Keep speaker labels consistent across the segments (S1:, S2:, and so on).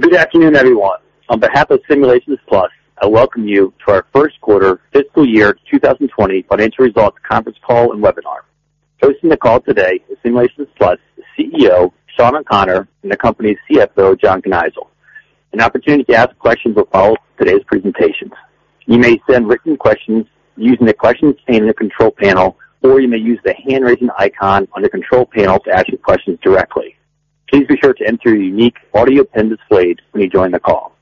S1: Good afternoon, everyone. On behalf of Simulations Plus, I welcome you to our first quarter fiscal year 2020 financial results conference call and webinar. Hosting the call today is Simulations Plus CEO, Shawn O'Connor, and the company's CFO, John Kneisel. An opportunity to ask questions will follow today's presentation. You may send written questions using the Questions pane in the control panel, or you may use the hand-raising icon on the control panel to ask your questions directly. Please be sure to enter your unique audio PIN displayed when you join the call.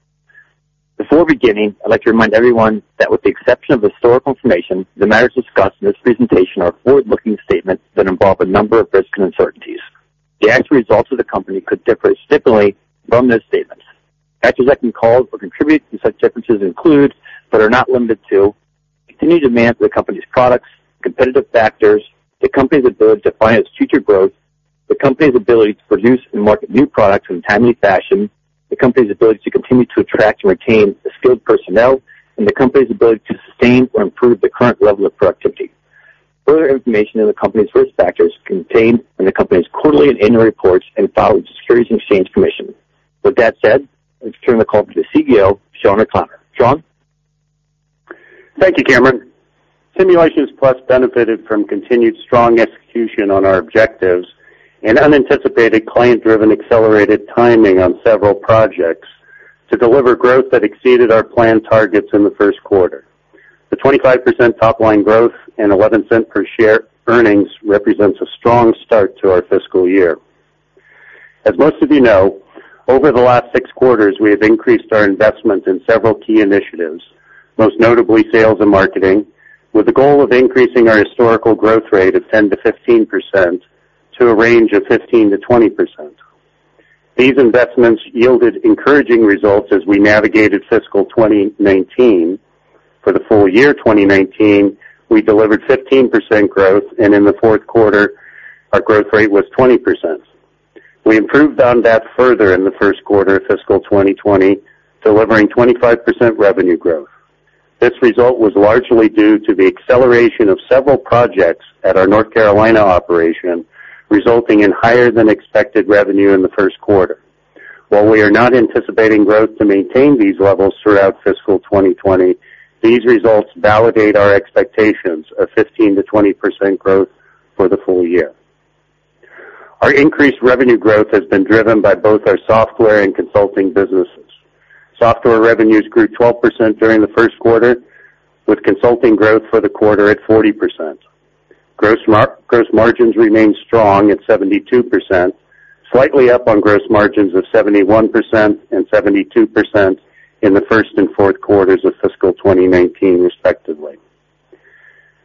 S1: Before beginning, I'd like to remind everyone that with the exception of historical information, the matters discussed in this presentation are forward-looking statements that involve a number of risks and uncertainties. The actual results of the company could differ significantly from those statements. Factors that can cause or contribute to such differences include, but are not limited to, continued demand for the company's products, competitive factors, the company's ability to finance future growth, the company's ability to produce and market new products in a timely fashion, the company's ability to continue to attract and retain skilled personnel, and the company's ability to sustain or improve the current level of productivity. Further information on the company's risk factors are contained in the company's quarterly and annual reports and filed with the Securities and Exchange Commission. With that said, let's turn the call to the CEO, Shawn O'Connor. Shawn?
S2: Thank you, Cameron. Simulations Plus benefited from continued strong execution on our objectives and unanticipated client-driven accelerated timing on several projects to deliver growth that exceeded our planned targets in the first quarter. The 25% top-line growth and $0.11 per share earnings represents a strong start to our fiscal year. As most of you know, over the last six quarters, we have increased our investment in several key initiatives, most notably sales and marketing, with the goal of increasing our historical growth rate of 10%-15% to a range of 15%-20%. These investments yielded encouraging results as we navigated fiscal 2019. For the full year 2019, we delivered 15% growth, and in the fourth quarter, our growth rate was 20%. We improved on that further in the first quarter of fiscal 2020, delivering 25% revenue growth. This result was largely due to the acceleration of several projects at our North Carolina operation, resulting in higher than expected revenue in the first quarter. While we are not anticipating growth to maintain these levels throughout fiscal 2020, these results validate our expectations of 15%-20% growth for the full year. Our increased revenue growth has been driven by both our software and consulting businesses. Software revenues grew 12% during the first quarter, with consulting growth for the quarter at 40%. Gross margins remained strong at 72%, slightly up on gross margins of 71% and 72% in the first and fourth quarters of fiscal 2019 respectively.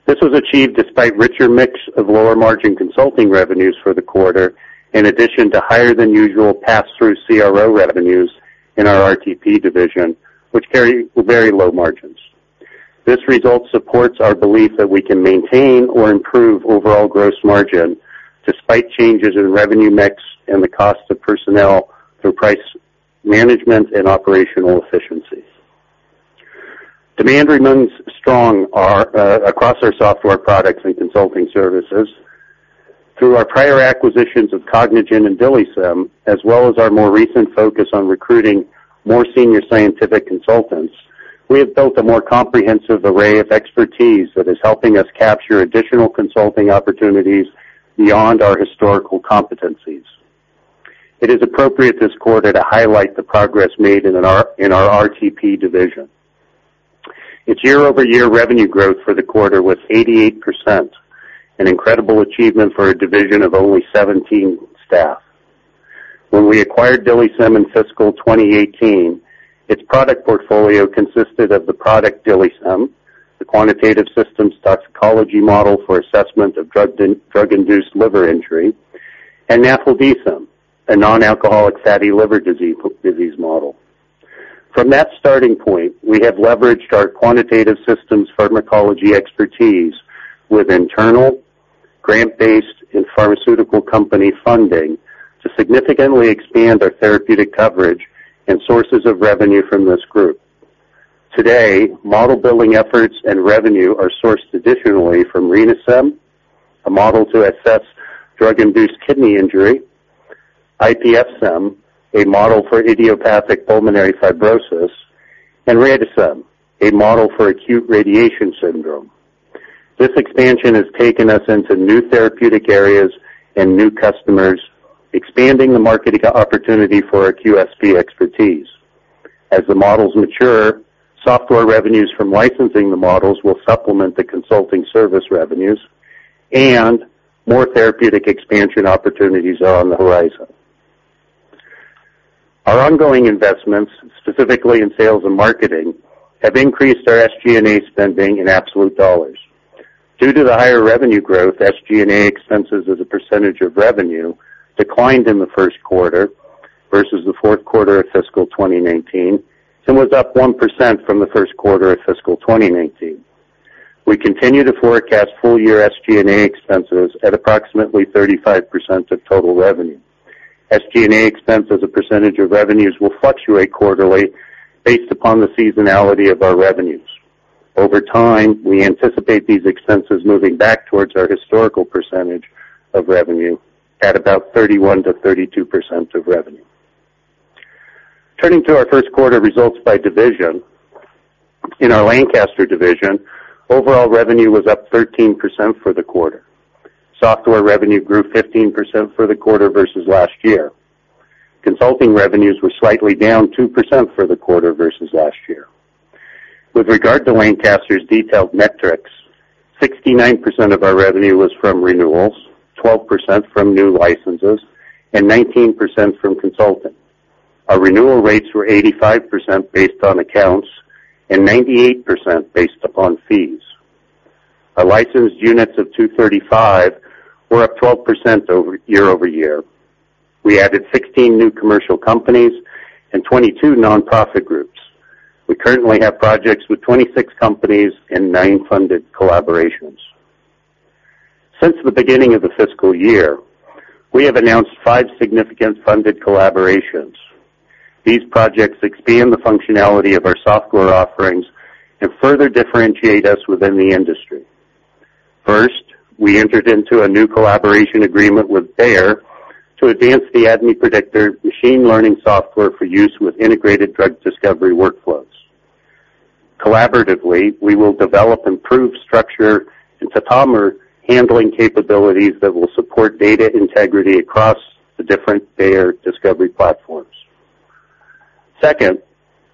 S2: This was achieved despite richer mix of lower margin consulting revenues for the quarter, in addition to higher than usual pass-through CRO revenues in our RTP division, which carry very low margins. This result supports our belief that we can maintain or improve overall gross margin despite changes in revenue mix and the cost of personnel through price management and operational efficiencies. Demand remains strong across our software products and consulting services. Through our prior acquisitions of Cognigen and DILIsym, as well as our more recent focus on recruiting more senior scientific consultants, we have built a more comprehensive array of expertise that is helping us capture additional consulting opportunities beyond our historical competencies. It is appropriate this quarter to highlight the progress made in our RTP division. Its year-over-year revenue growth for the quarter was 88%, an incredible achievement for a division of only 17 staff. When we acquired DILIsym in fiscal 2018, its product portfolio consisted of the product DILIsym, the quantitative systems toxicology model for assessment of drug-induced liver injury, and NAFLDsym, a non-alcoholic fatty liver disease model. From that starting point, we have leveraged our quantitative systems pharmacology expertise with internal, grant-based, and pharmaceutical company funding to significantly expand our therapeutic coverage and sources of revenue from this group. Today, model-building efforts and revenue are sourced additionally from RENAsym, a model to assess drug-induced kidney injury, IPFsym, a model for idiopathic pulmonary fibrosis, and RADAsym, a model for acute radiation syndrome. This expansion has taken us into new therapeutic areas and new customers, expanding the market opportunity for our QSP expertise. As the models mature, software revenues from licensing the models will supplement the consulting service revenues, and more therapeutic expansion opportunities are on the horizon. Our ongoing investments, specifically in sales and marketing, have increased our SG&A spending in absolute dollars. Due to the higher revenue growth, SG&A expenses as a percentage of revenue declined in the first quarter versus the fourth quarter of fiscal 2019 and was up 1% from the first quarter of fiscal 2019. We continue to forecast full-year SG&A expenses at approximately 35% of total revenue. SG&A expense as a percentage of revenues will fluctuate quarterly based upon the seasonality of our revenues. Over time, we anticipate these expenses moving back towards our historical percentage of revenue at about 31%-32% of revenue. Turning to our first quarter results by division. In our Lancaster division, overall revenue was up 13% for the quarter. Software revenue grew 15% for the quarter versus last year. Consulting revenues were slightly down 2% for the quarter versus last year. With regard to Lancaster's detailed metrics, 69% of our revenue was from renewals, 12% from new licenses, and 19% from consulting. Our renewal rates were 85% based on accounts and 98% based upon fees. Our licensed units of 235 were up 12% year over year. We added 16 new commercial companies and 22 nonprofit groups. We currently have projects with 26 companies and nine funded collaborations. Since the beginning of the fiscal year, we have announced five significant funded collaborations. These projects expand the functionality of our software offerings and further differentiate us within the industry. First, we entered into a new collaboration agreement with Bayer to advance the ADMET Predictor machine learning software for use with integrated drug discovery workflows. Collaboratively, we will develop improved structure and tautomer handling capabilities that will support data integrity across the different Bayer discovery platforms. Second,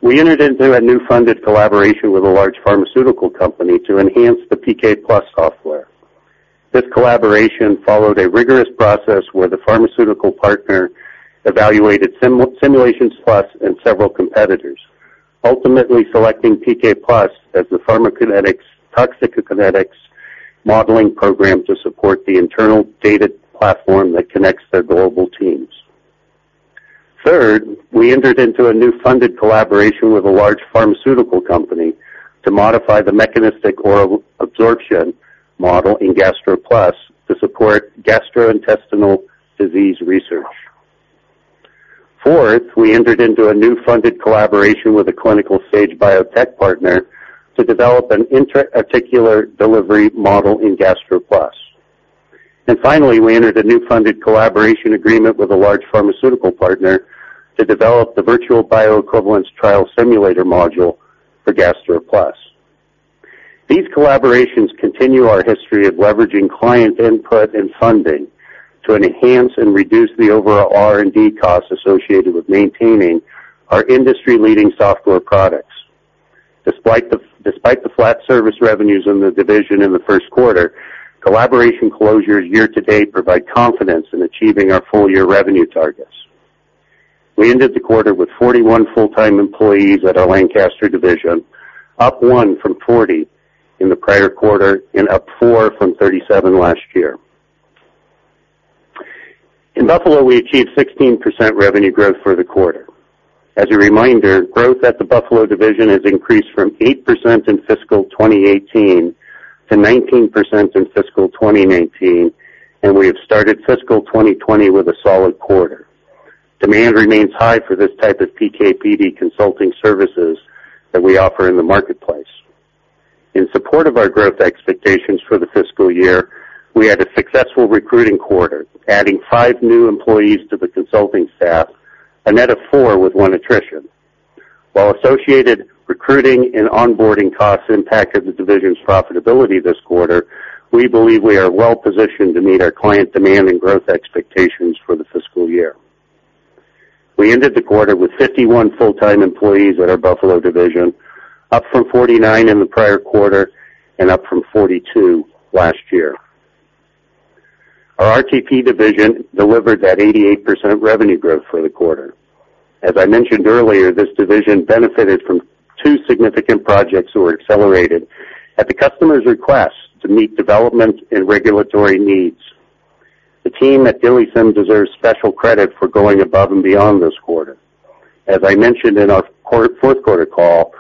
S2: we entered into a new funded collaboration with a large pharmaceutical company to enhance the PKPlus software. This collaboration followed a rigorous process where the pharmaceutical partner evaluated Simulations Plus and several competitors, ultimately selecting PKPlus as the pharmacokinetics, toxicokinetics modeling program to support the internal data platform that connects their global teams. Third, we entered into a new funded collaboration with a large pharmaceutical company to modify the mechanistic oral absorption model in GastroPlus to support gastrointestinal disease research. Fourth, we entered into a new funded collaboration with a clinical stage biotech partner to develop an intra-articular delivery model in GastroPlus. Finally, we entered a new funded collaboration agreement with a large pharmaceutical partner to develop the virtual bioequivalence trial simulator module for GastroPlus. These collaborations continue our history of leveraging client input and funding to enhance and reduce the overall R&D costs associated with maintaining our industry-leading software products. Despite the flat service revenues in the division in the first quarter, collaboration closures year to date provide confidence in achieving our full-year revenue targets. We ended the quarter with 41 full-time employees at our Lancaster division, up one from 40 in the prior quarter and up four from 37 last year. In Buffalo, we achieved 16% revenue growth for the quarter. As a reminder, growth at the Buffalo division has increased from 8% in fiscal 2018 to 19% in fiscal 2019, and we have started fiscal 2020 with a solid quarter. Demand remains high for this type of PK/PD consulting services that we offer in the marketplace. In support of our growth expectations for the fiscal year, we had a successful recruiting quarter, adding five new employees to the consulting staff, a net of four with one attrition. While associated recruiting and onboarding costs impacted the division's profitability this quarter, we believe we are well positioned to meet our client demand and growth expectations for the fiscal year. We ended the quarter with 51 full-time employees at our Buffalo division, up from 49 in the prior quarter and up from 42 last year. Our RTP division delivered 88% revenue growth for the quarter. As I mentioned earlier, this division benefited from two significant projects who were accelerated at the customer's request to meet development and regulatory needs. The team at DILIsym deserves special credit for going above and beyond this quarter. As I mentioned in our fourth quarter call,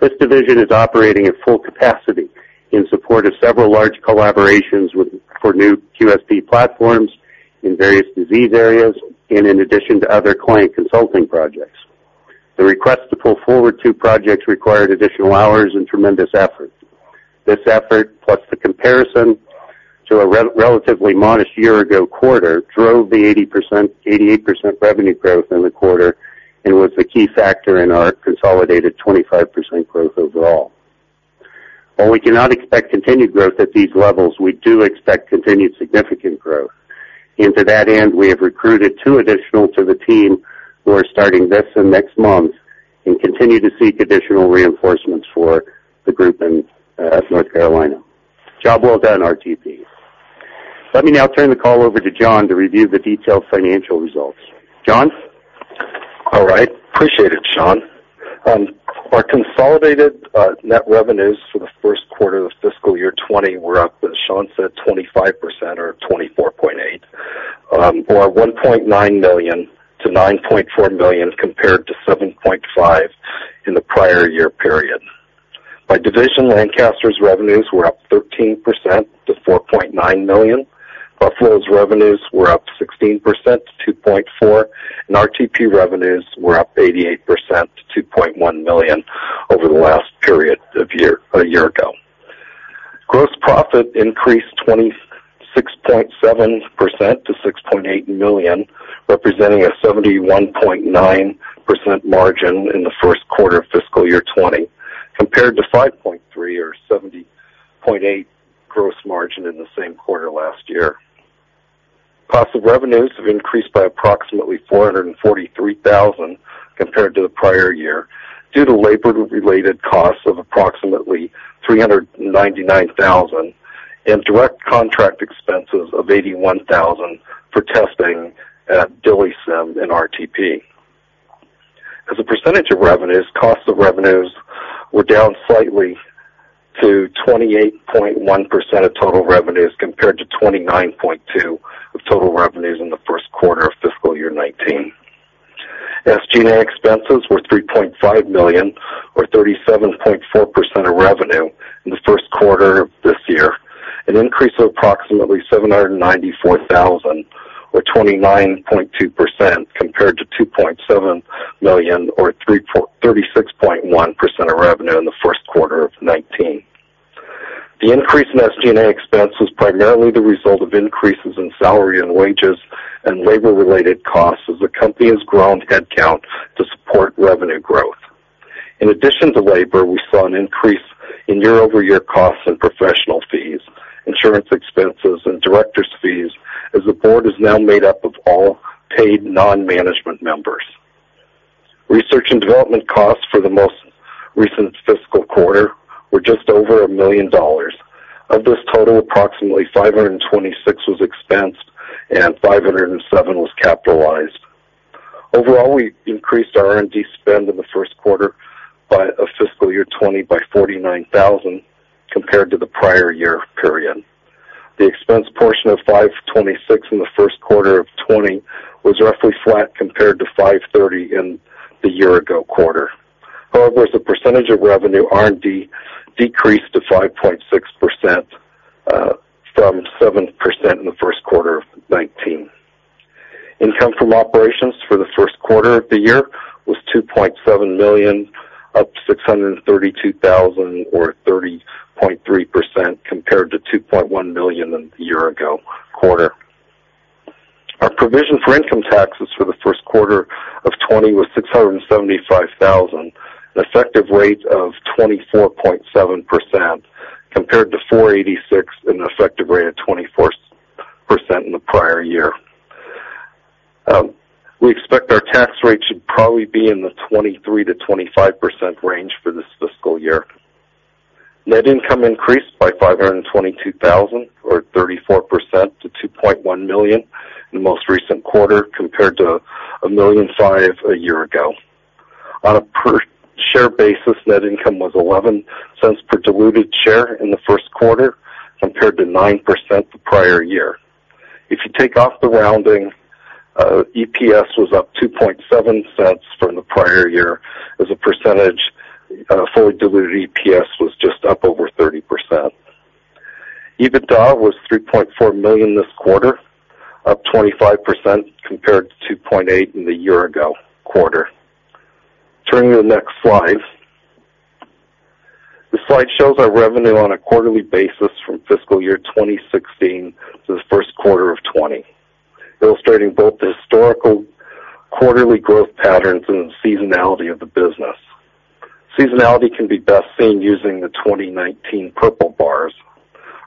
S2: this division is operating at full capacity in support of several large collaborations for new QSP platforms in various disease areas and in addition to other client consulting projects. The request to pull forward two projects required additional hours and tremendous effort. This effort, plus the comparison to a relatively modest year-ago quarter, drove the 88% revenue growth in the quarter and was the key factor in our consolidated 25% growth overall. While we cannot expect continued growth at these levels, we do expect continued significant growth. To that end, we have recruited two additional to the team who are starting this and next month and continue to seek additional reinforcements for the group at North Carolina. Job well done, RTP. Let me now turn the call over to John to review the detailed financial results. John?
S3: All right. Appreciate it, Shawn. Our consolidated net revenues for the first quarter of fiscal year 2020 were up, as Shawn said, 25% or 24.8%, or $1.9 million to $9.4 million compared to $7.5 million in the prior year period. By division, Lancaster's revenues were up 13% to $4.9 million. Buffalo's revenues were up 16% to $2.4 million, and RTP revenues were up 88% to $2.1 million over the last period of a year ago. Gross profit increased 26.7% to $6.8 million, representing a 71.9% margin in the first quarter of fiscal year 2020, compared to $5.3 million or 70.8% gross margin in the same quarter last year. Cost of revenues have increased by approximately $443,000 compared to the prior year due to labor-related costs of approximately $399,000 and direct contract expenses of $81,000 for testing at DILIsym in RTP. As a percentage of revenues, costs of revenues were down slightly to 28.1% of total revenues, compared to 29.2% of total revenues in the first quarter of fiscal year 2019. SG&A expenses were $3.5 million, or 37.4% of revenue in the first quarter of this year, an increase of approximately $794,000 or 29.2%, compared to $2.7 million or 36.1% of revenue in the first quarter of 2019. The increase in SG&A expense was primarily the result of increases in salary and wages and labor-related costs as the company has grown headcount to support revenue growth. In addition to labor, we saw an increase in year-over-year costs and professional fees, insurance expenses, and director's fees as the board is now made up of all paid non-management members. Research and development costs for the most recent fiscal quarter were just over $1 million. Of this total, approximately $526 was expensed and $507 was capitalized. Overall, we increased our R&D spend in the first quarter by a fiscal year 2020 by $49,000 compared to the prior year period. The expense portion of $526 in the first quarter of 2020 was roughly flat compared to $530 in the year-ago quarter. As a percentage of revenue, R&D decreased to 5.6% from 7% in the first quarter of 2019. Income from operations for the first quarter of the year was $2.7 million, up $632,000 or 30.3%, compared to $2.1 million a year ago quarter. Our provision for income taxes for the first quarter of 2020 was $675,000, an effective rate of 24.7%, compared to $486 and an effective rate of 24% in the prior year. We expect our tax rate should probably be in the 23%-25% range for this fiscal year. Net income increased by $522,000 or 34% to $2.1 million in the most recent quarter, compared to $1.5 million a year ago. On a per share basis, net income was $0.11 per diluted share in the first quarter, compared to $0.09 the prior year. If you take off the rounding, EPS was up $0.027 from the prior year. As a percentage, fully diluted EPS was just up over 30%. EBITDA was $3.4 million this quarter, up 25%, compared to $2.8 million in the year-ago quarter. Turning to the next slide. This slide shows our revenue on a quarterly basis from fiscal year 2016 to the first quarter of 2020, illustrating both the historical quarterly growth patterns and the seasonality of the business. Seasonality can be best seen using the 2019 purple bars.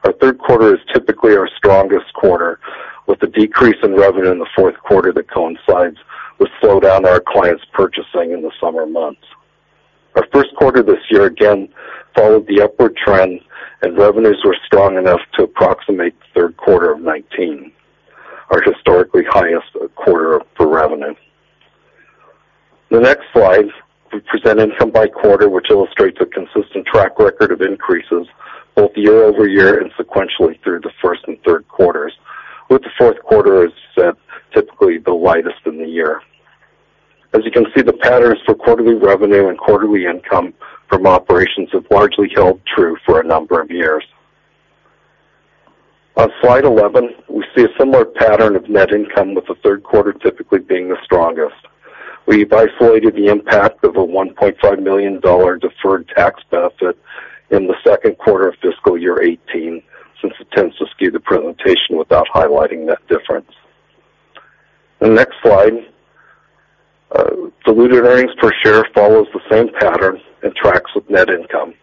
S3: Our third quarter is typically our strongest quarter, with a decrease in revenue in the fourth quarter that coincides with slowdown our clients purchasing in the summer months. Our first quarter this year, again, followed the upward trend and revenues were strong enough to approximate the third quarter of 2019, our historically highest quarter for revenue. The next slide, we present income by quarter, which illustrates a consistent track record of increases both year-over-year and sequentially through the first and third quarters, with the fourth quarter as typically the lightest in the year. As you can see, the patterns for quarterly revenue and quarterly income from operations have largely held true for a number of years. On slide 11, we see a similar pattern of net income, with the third quarter typically being the strongest. We've isolated the impact of a $1.5 million deferred tax benefit in the second quarter of fiscal year 2018, since it tends to skew the presentation without highlighting that difference. The next slide, diluted earnings per share follows the same pattern and tracks with net income.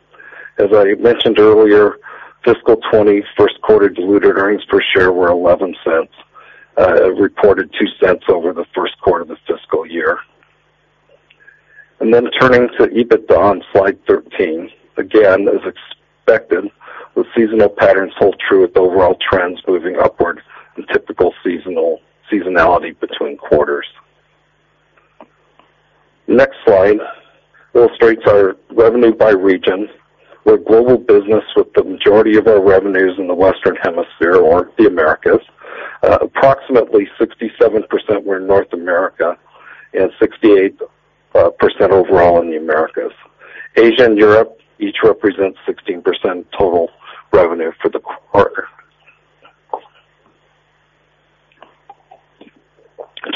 S3: As I mentioned earlier, fiscal 2020 first quarter diluted earnings per share were $0.11, reported $0.02 over the first quarter of the fiscal year. Turning to EBITDA on slide 13, again, as expected, the seasonal patterns hold true with overall trends moving upward and typical seasonality between quarters. Next slide illustrates our revenue by region. We're a global business with the majority of our revenues in the Western Hemisphere or the Americas. Approximately 67% were in North America and 68% overall in the Americas. Asia and Europe each represents 16% total revenue for the quarter.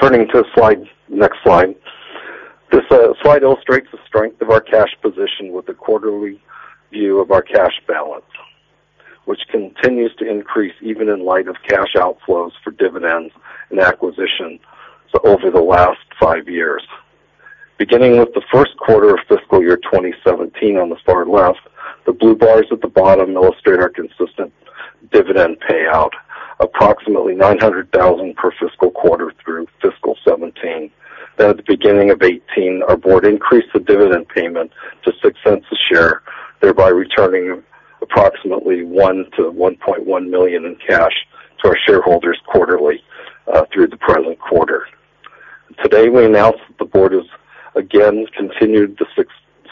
S3: Turning to the next slide. This slide illustrates the strength of our cash position with a quarterly view of our cash balance, which continues to increase even in light of cash outflows for dividends and acquisition over the last five years. Beginning with the first quarter of fiscal year 2017 on the far left, the blue bars at the bottom illustrate our consistent dividend payout, approximately $900,000 per fiscal quarter through fiscal 2017. At the beginning of 2018, our board increased the dividend payment to $0.06 a share, thereby returning approximately $1 million-$1.1 million in cash to our shareholders quarterly through the present quarter. Today, we announce that the board has again continued the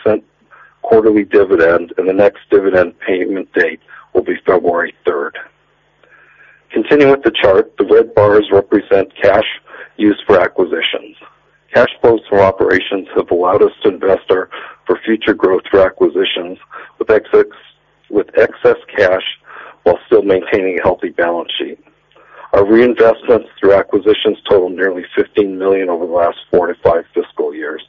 S3: $0.06 quarterly dividend, and the next dividend payment date will be February 3rd. Continuing with the chart, the red bars represent cash used for acquisitions. Cash flows from operations have allowed us to invest for future growth through acquisitions with excess cash while still maintaining a healthy balance sheet. Our reinvestments through acquisitions total nearly $15 million over the last four to five fiscal years,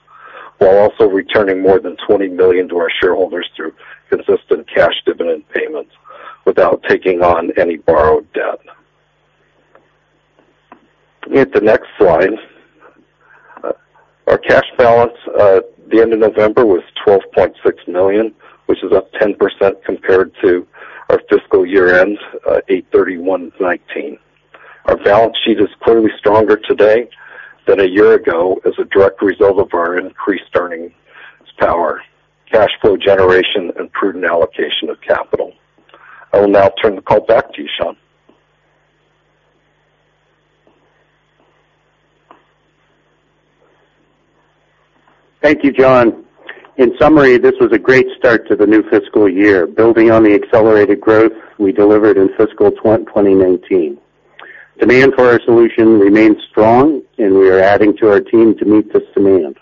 S3: while also returning more than $20 million to our shareholders through consistent cash dividend payments without taking on any borrowed debt. Hit the next slide. Our cash balance at the end of November was $12.6 million, which is up 10% compared to our fiscal year-end, 8/31/2019. Our balance sheet is clearly stronger today than a year ago as a direct result of our increased earnings power, cash flow generation, and prudent allocation of capital. I will now turn the call back to you, Shawn.
S2: Thank you, John. In summary, this was a great start to the new fiscal year, building on the accelerated growth we delivered in fiscal 2019. Demand for our solution remains strong, and we are adding to our team to meet this demand.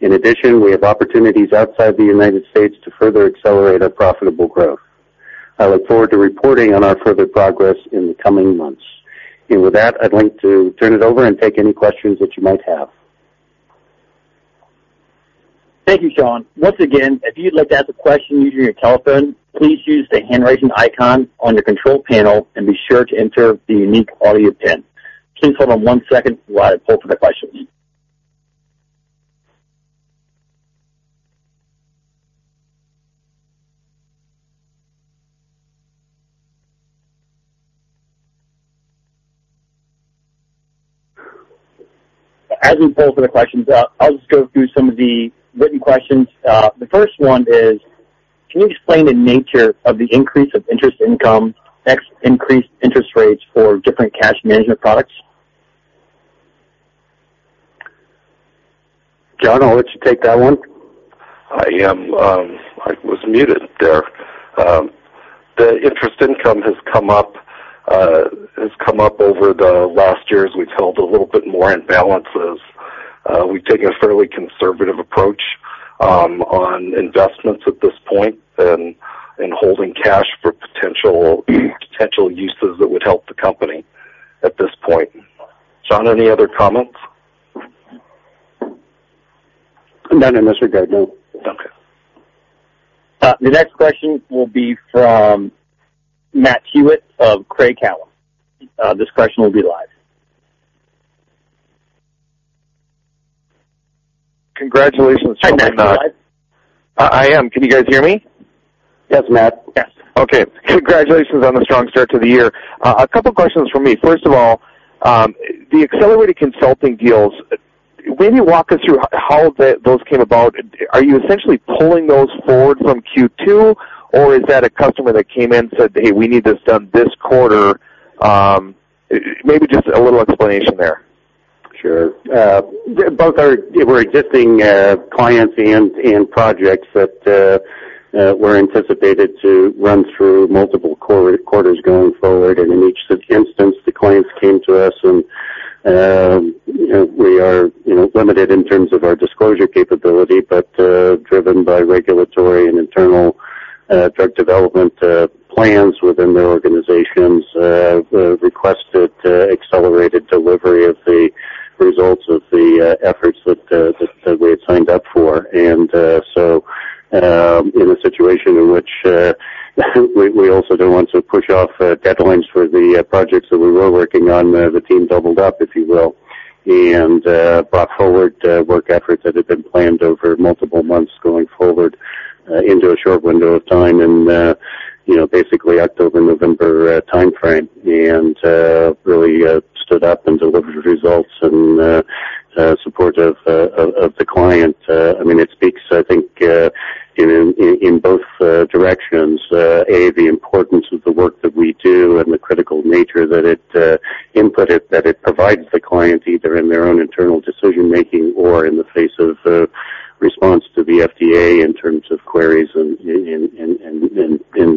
S2: In addition, we have opportunities outside the United States to further accelerate our profitable growth. I look forward to reporting on our further progress in the coming months. With that, I'd like to turn it over and take any questions that you might have.
S1: Thank you, Shawn. Once again, if you'd like to ask a question using your telephone, please use the hand-raising icon on your control panel and be sure to enter the unique audio PIN. Please hold on one second while I pull for the questions. As we pull for the questions, I'll just go through some of the written questions. The first one is, can you explain the nature of the increase of interest income, increased interest rates for different cash management products?
S2: John, I'll let you take that one.
S3: I was muted there. The interest income has come up over the last year as we've held a little bit more in balances. We've taken a fairly conservative approach on investments at this point and holding cash for potential uses that would help the company at this point. Shawn, any other comments?
S2: None in this regard, no.
S3: Okay.
S1: The next question will be from Matt Hewitt of Craig-Hallum. This question will be live.
S4: Congratulations.
S2: Hi, Matt.
S4: I am. Can you guys hear me?
S2: Yes, Matt.
S4: Yes. Okay. Congratulations on the strong start to the year. A couple of questions from me. First of all, the accelerated consulting deals, maybe walk us through how those came about. Are you essentially pulling those forward from Q2, or is that a customer that came in and said, "Hey, we need this done this quarter"? Maybe just a little explanation there.
S2: Sure. Both were existing clients and projects that were anticipated to run through multiple quarters going forward. In each instance, the clients came to us, and we are limited in terms of our disclosure capability, but driven by regulatory and internal drug development plans within their organizations, requested accelerated delivery of the results of the efforts that they had signed up for. In a situation in which we also don't want to push off deadlines for the projects that we were working on, the team doubled up, if you will, and brought forward work efforts that had been planned over multiple months going forward into a short window of time and basically October-November timeframe, and really stood up and delivered results in support of the client. It speaks, I think, in both directions, A, the importance of the work that we do and the critical nature that it provides the client either in their own internal decision-making or in the face of response to the FDA in terms of queries and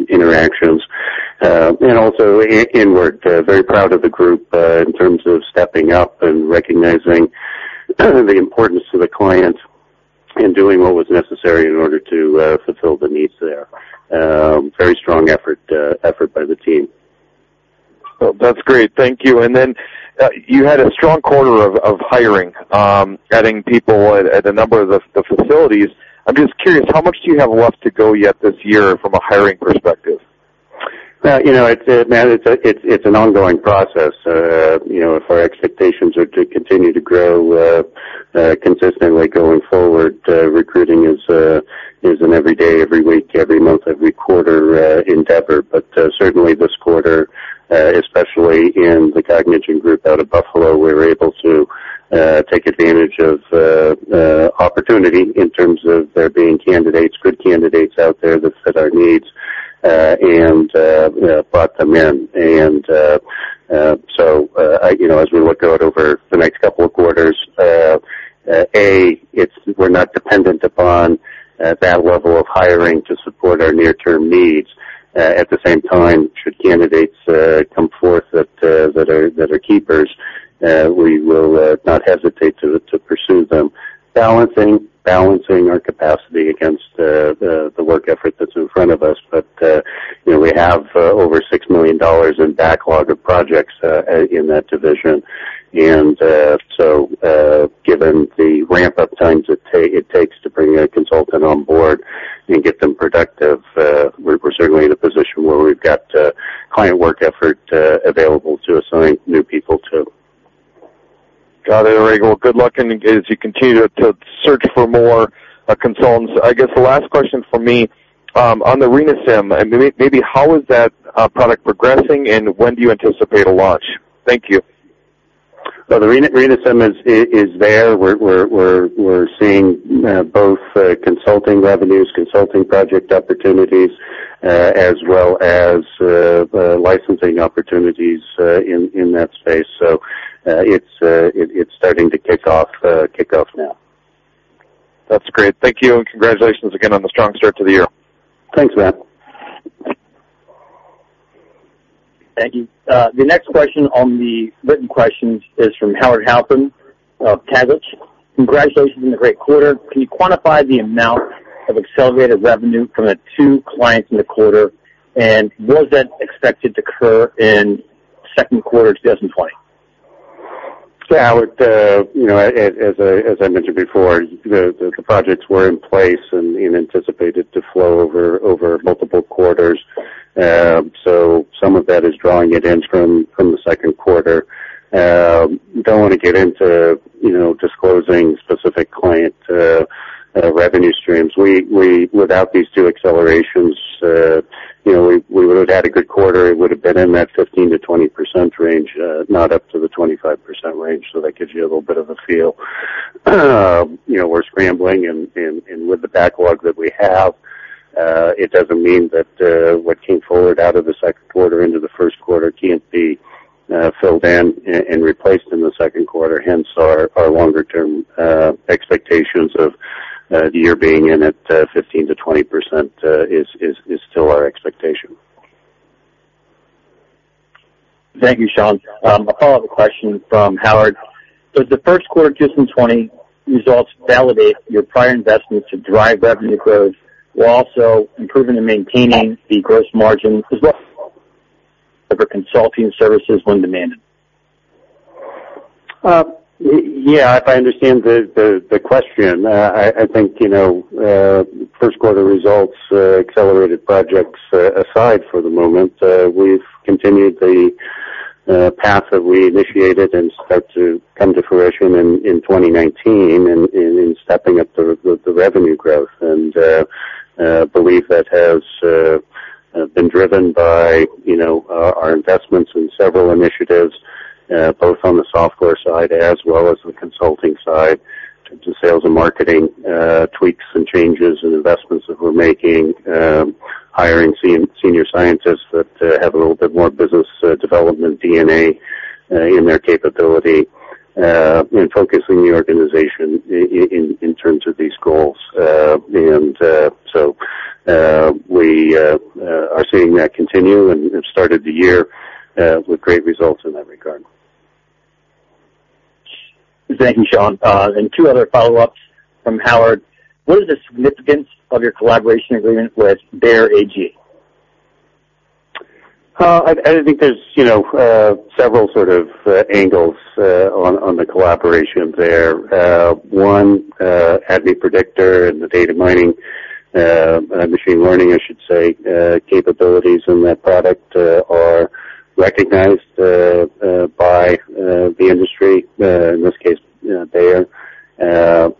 S2: interactions. Also, Ian was very proud of the group in terms of stepping up and recognizing the importance to the client in doing what was necessary in order to fulfill the needs there. Very strong effort by the team.
S4: Well, that's great. Thank you. You had a strong quarter of hiring, adding people at a number of the facilities. I'm just curious, how much do you have left to go yet this year from a hiring perspective?
S2: Matt, it's an ongoing process. If our expectations are to continue to grow consistently going forward, recruiting is an every day, every week, every month, every quarter endeavor. Certainly this quarter, especially in the Cognigen group out of Buffalo, we were able to take advantage of opportunity in terms of there being candidates, good candidates out there that fit our needs, and brought them in. As we look out over the next couple of quarters, A, we're not dependent upon that level of hiring to support our near-term needs. At the same time, should candidates come forth that are keepers, we will not hesitate to pursue them, balancing our capacity against the work effort that's in front of us. We have over $6 million in backlog of projects in that division. Given the ramp-up times it takes to bring a consultant on board and get them productive, we're certainly in a position where we've got client work effort available to assign new people to.
S4: Got it. All right. Well, good luck as you continue to search for more consultants. I guess the last question from me, on the RENAsym, maybe how is that product progressing, and when do you anticipate a launch? Thank you.
S2: The RENAsym is there. We're seeing both consulting revenues, consulting project opportunities, as well as licensing opportunities in that space. It's starting to kick off now.
S4: That's great. Thank you, and congratulations again on the strong start to the year.
S2: Thanks, Matt.
S1: Thank you. The next question on the written questions is from Howard Halpern of Tavistock. Congratulations on the great quarter. Can you quantify the amount of accelerated revenue from the two clients in the quarter? Was that expected to occur in second quarter 2020?
S2: Howard, as I mentioned before, the projects were in place and anticipated to flow over multiple quarters. Some of that is drawing it in from the second quarter. Don't want to get into disclosing specific client revenue streams. Without these two accelerations, we would have had a good quarter. It would've been in that 15%-20% range, not up to the 25% range. That gives you a little bit of a feel. We're scrambling, and with the backlog that we have, it doesn't mean that what came forward out of the second quarter into the first quarter can't be filled in and replaced in the second quarter. Our longer-term expectations of the year being in at 15%-20% is still our expectation.
S1: Thank you, Shawn. A follow-up question from Howard. Does the first quarter 2020 results validate your prior investments to drive revenue growth while also improving and maintaining the gross margin as well for consulting services when demanded?
S2: Yeah, if I understand the question. I think first quarter results, accelerated projects aside for the moment, we've continued the path that we initiated and start to come to fruition in 2019 in stepping up the revenue growth and believe that has been driven by our investments in several initiatives both on the software side as well as the consulting side to sales and marketing tweaks and changes and investments that we're making, hiring senior scientists that have a little bit more business development DNA in their capability, and focusing the organization in terms of these goals. We are seeing that continue and have started the year with great results in that regard.
S1: Thank you, Shawn. Two other follow-ups from Howard. What is the significance of your collaboration agreement with Bayer AG?
S2: I think there's several sort of angles on the collaboration there. One, ADMET Predictor and the data mining, machine learning, I should say, capabilities in that product are recognized by the industry, in this case, Bayer,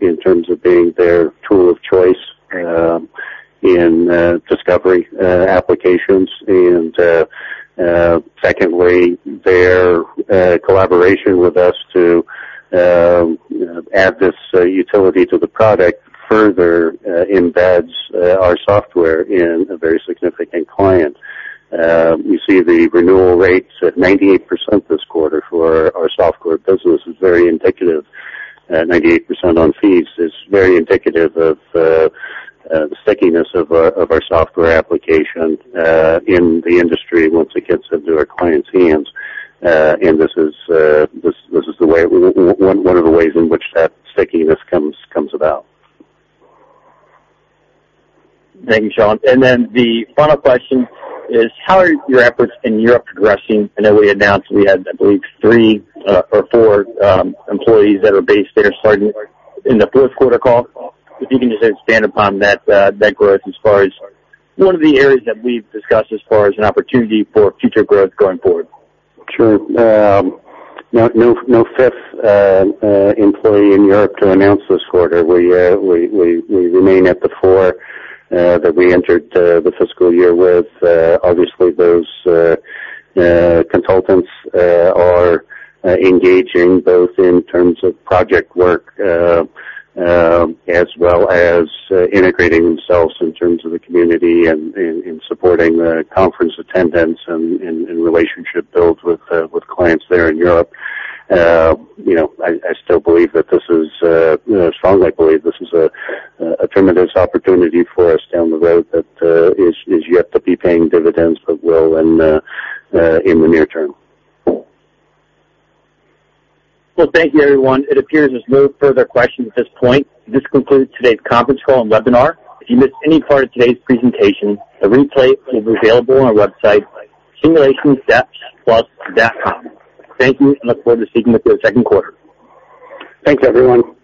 S2: in terms of being their tool of choice in discovery applications. Secondly, their collaboration with us to add this utility to the product further embeds our software in a very significant client. You see the renewal rates at 98% this quarter for our software business is very indicative, 98% on fees is very indicative of the stickiness of our software application in the industry once it gets into our clients' hands. This is one of the ways in which that stickiness comes about.
S1: Thank you, Shawn. The final question is, how are your efforts in Europe progressing? I know we announced we had, I believe three or four employees that are based there starting in the fourth quarter call. If you can just expand upon that growth as far as one of the areas that we've discussed as far as an opportunity for future growth going forward.
S2: Sure. No fifth employee in Europe to announce this quarter. We remain at the four that we entered the fiscal year with. Obviously those consultants are engaging both in terms of project work as well as integrating themselves in terms of the community and in supporting conference attendance and relationship builds with clients there in Europe. I still believe that this is, strongly believe this is a tremendous opportunity for us down the road that is yet to be paying dividends, but will in the near term.
S1: Well, thank you everyone. It appears there's no further questions at this point. This concludes today's conference call and webinar. If you missed any part of today's presentation, a replay is available on our website, simulationsplus.com. Thank you, and look forward to speaking with you the second quarter.
S2: Thanks, everyone.